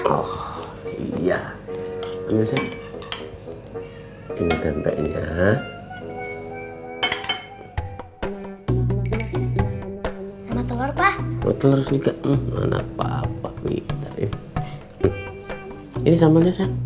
oh iya ini tempe ya sama telur pak telur juga mana papa kita ini sama